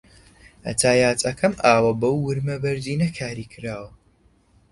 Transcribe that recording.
هەتا یاد ئەکەم ئاوە بەو ورمە بەردینە کاری کراوە